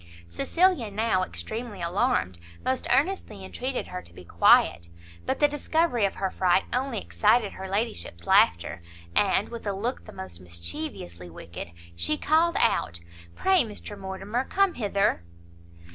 Cecilia now, extremely alarmed, most earnestly entreated her to be quiet; but the discovery of her fright only excited her ladyship's laughter, and, with a look the most mischievously wicked, she called out "Pray Mr Mortimer, come hither!"